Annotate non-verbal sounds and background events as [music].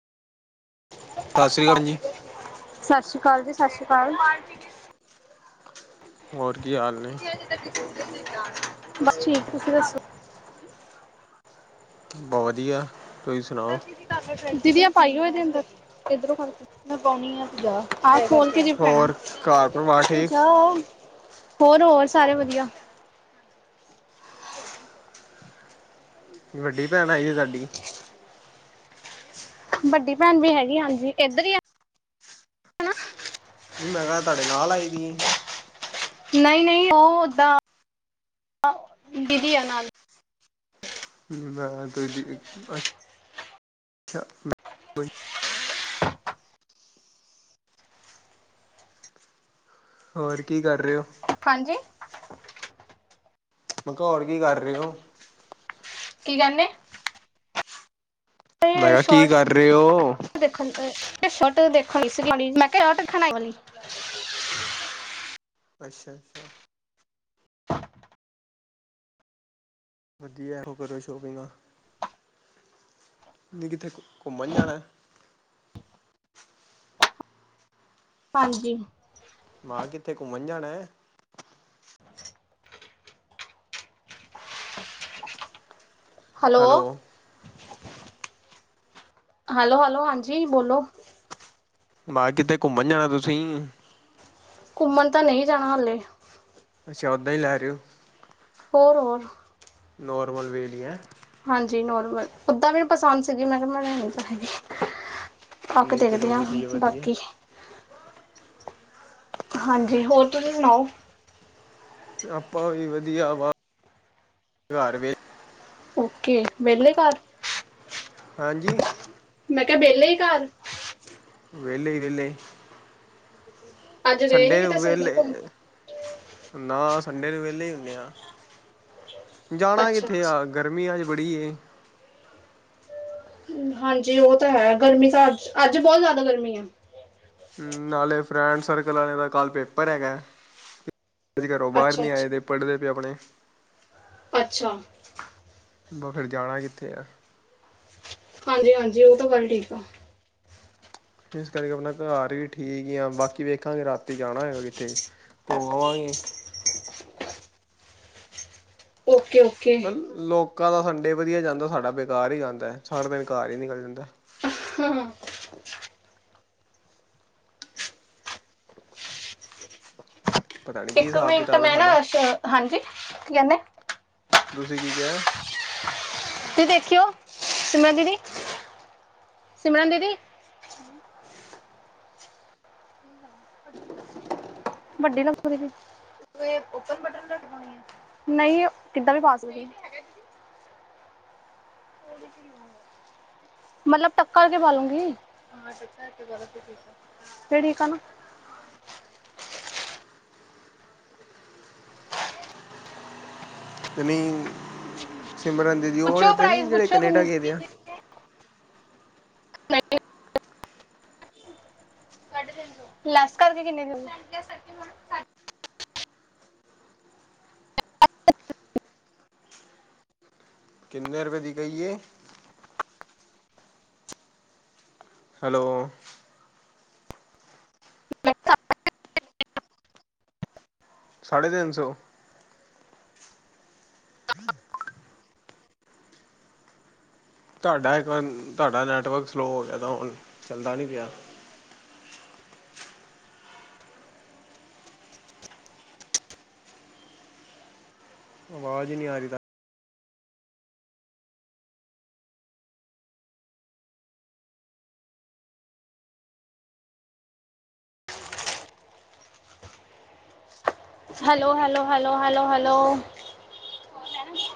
ਸ੍ਰੀ ਅਕਾਲ ਜੀ ਸਤਿ ਸ੍ਰੀ ਅਕਾਲ ਜੀ, ਸਤਿ ਸ੍ਰੀ ਅਕਾਲ। ਹੋਰ ਕੀ ਹਾਲ ਨੇ? ਬਸ ਠੀਕ, ਤੁਸੀਂ ਦੱਸੋ? ਬਹੁਤ ਵਧੀਆ, ਤੁਸੀਂ ਸੁਣਾਓ? [unintelligible] ਹੋਰ ਘਰ ਪਰਿਵਾਰ ਠੀਕ [inaudible] ਹੋਰ -ਹੋਰ, ਸਾਰੇ ਵਧੀਆ। ਵੱਡੀ ਭੈਣ ਆਈ ਹੈ? ਤੁਹਾਡੀ ਵੱਡੀ ਭੈਣ ਵੀ ਹੈਗੀ, ਹਾਂਜੀ ਇੱਧਰ ਹੀ ਹੈ। ਨਹੀਂ, ਮੈਂ ਕਿਹਾ, ਤੁਹਾਡੇ ਨਾਲ ਆਈ ਦੀ? ਨਹੀਂ -ਨਹੀਂ, ਉਹ ਉਦਾਂ ਦੀਦੀ ਆ ਨਾਲ [unintelligible] ਹੋਰ ਕੀ, ਕਰ ਰਹੇ ਹੋ? ਹਾਂਜੀ। ਮੈਂ ਕਿਹਾ, ਹੋਰ ਕੀ ਕਰ ਰਹੇ ਹੋ? ਕੀ ਕੈਨੇ? ਮੈਂ ਕਿਹਾ ਕੀ ਕਰ ਰਹੇ ਹੋ ਫੋਟੋ ਦੇਖਣ [unintelligible] ਅੱਛਾ-ਅੱਛਾ। [inaudible] ਵਧੀਆ ਕਰੋ ਸ਼ੋਪਿੰਗ ਆ ਤੁਸੀਂ ਕਿਥੇ ਘੁੰਮਣ ਜਾਣਾ ਹਾਂਜੀ ਮਾਂ ਕਿੱਥੇ ਘੁੰਮਣ ਜਾਣਾ ਹੈ। [inaudible] ਹੈਲੋ ਹੈਲੋ ਹੈਲੋ ਹਾਂਜੀ ਬੋਲੋ ਮਾਂ ਕਿੱਤੇੇ ਘੁੰਮਣ ਜਾਣਾ ਤੁਸੀਂ ਘੁੰਮਣ ਤਾਂ ਨਹੀਂ ਜਾਣਾ ਹਾਲੇ ਅੱਛਾ ਉਦਾਂ ਹੀ ਲੈ ਰਹੇ ਹੋ ਹੋਰ ਹੋਰ ਨੋਰਮਲ ਵੇ ਦੀਆਂ ਹਾਂਜੀ ਨੋਰਮਲ ਉਦਾਂ ਪਸੰਦ ਸੀਗੀ ਮੈਂ [unintelligible] ਥੱਕ ਨਹੀਂ ਚਲੋ ਦੇਖਦੇ ਹਾਂ ਵਧੀਆ ਵਧੀਆ ਬਾਕੀ ਹਾਂਜੀ ਹੋਰ ਤੁਸੀਂ ਸੁਣਾਓ ਆਪਾਂ ਵੀ ਵਧੀਆ ਵਾ ਘਰ ਵੇ ਓਕੇ ਵਹਲੇ ਘਰ ਹਾਂਜੀ ਮੈਂ ਕਿਹਾ ਵਿਹਲੇ ਘਰ? ਵੇਲੇ ਹੀ ਵੇਲੇ। [unintelligible] ਨੀ ਸੰਡੇ ਕਿਤੇ ਉਹ ਘੁੰਮਣ ਵਲੇ- ਨਾ ਸੰਡੇ ਨੂੰ ਵਿਹਲੇ ਹੀ ਹੁੰਨੇ ਆ ਜਾਂਣਾ ਅੱਛਾ ਕਿੱਥੇ ਅੱਛਾ ਆ। ਗਰਮੀ ਅੱਜ ਬੜੀ ਏ। ਹਾਂਜੀ ਉਹ ਤਾਂ ਹੈ ਗਰਮੀ ਤਾਂ ਅੱਜ ਅੱਜ ਬਹੁਤ ਜ਼ਿਆਦਾ ਗਰਮੀ ਹੈ। ਨਾਲੇ ਫਰੈਂਡ ਸਰਕਲ ਵਾਲਿਆ ਦਾ ਕੱਲ ਪੇਪਰ ਹੈਗਾ। ਅੱਜ ਘਰੋਂ ਬਾਹਰ ਅੱਛਾ ਨੀ ਅੱਛਾ ਆਏ ਦੇ ਪੜ੍ਹਦੇ ਪਏ ਆਪਣੇ ਅੱਛਾ। ਬਸ ਫਿਰ ਜਾਣਾ ਕਿੱਥੇ ਆ। ਹਾਂਜੀ ਹਾਂਜੀ ਉਹ ਤਾਂ ਗੱਲ ਠੀਕ ਆ। ਇਸ ਕਰਕੇ ਆਪਣਾ ਘਰ ਹੀ ਠੀਕ ਆ ਬਾਕੀ ਵੇਖਾਂਗੇ ਰਾਤੀ ਜਾਣਾ ਹੋਏਗਾ ਕਿੱਥੇ। ਉਹ ਆਵਾਂਗੇ ਓਕੇ। ਓਕੇ ਲੋਕਾਂ ਦਾ ਸੰਡੇ ਵਧੀਆ ਜਾਂਦਾ ਸਾਡਾ ਬੇਕਾਰ ਹੀ ਜਾਂਦਾ ਏ ਸਾਰਾ ਦਿਨ ਘਰ ਈ ਨਿਕਲ ਜਾਂਦਾ ਹੈ। [unintelligible] ਪਤਾ ਨੀ ਕੀ ਇੱਕ ਹਿਸਾਬ ਮਿੰਟ ਕਿਤਾਬ ਹੈ ਮੈਂ ਨਾ ਸਾਡਾ ਹਾਂਜੀ ਲੈਨਾ। ਤੁਸੀਂ ਕੀ ਕਿਹਾ ਇਧਰ ਦੇਖਿਓ ਸਿਮਰਨ ਦੀਦੀ ਸਿਮਰਨ ਦੀਦੀ ਵੱਡੀ [unintelligible] ਨਹੀਂ ਇਧਰ ਦੇ ਪਾਸੇ ਮਤਲਬ ਟੱਕਾ ਤੇ ਪਾਲੂਗੀ ਤੇੜੀ [unintelligible] ਐਕਚੁਲੀ ਸਿਮਰਨ ਦੀਦੀ ਉਹ ਵਾਲੇ ਪੁੱਛੋ ਤੇ ਨਹੀਂ ਪ੍ਰਾਈਸ ਜਿਹੜੇ ਪੁੱਛੋ ਕੈਨੇਡਾ ਕਿੰਨੇ ਗਏ ਦੇ ਹਾਂ। [unintelligible] ਸਾਡੇ ਤਿੰਨ ਸੌ ਲੈਸ ਕਰਕੇ ਕਿੰਨੇ ਦੇ।? ਕਿੰਨੇ ਰੁਪਏ ਦੀ ਕਹੀਏ। ਹੈਲੋ ਸਾਢੇ ਤਿੰਨ ਸੌ। ਨਹੀਂ [inaudible] ਤੁਹਾਡਾ ਇੱਕ ਵਾਰ ਤੁਹਾਡਾ ਨੈਟਵਰਕ ਸਲੋ ਹੋ ਗਿਆ ਤਾਂ, ਹੁਣ ਚੱਲਦਾ ਨਹੀਂ ਪਿਆ। ਆਵਾਜ਼ ਨੀ ਆ ਰੀ ਤੋ hello, hello, hello, hello, hello.